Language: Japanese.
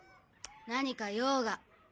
何か用が。